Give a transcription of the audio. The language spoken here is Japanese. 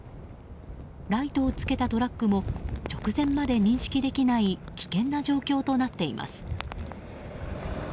ライトをつけたトラックも直前まで認識できない危険な状況となっています。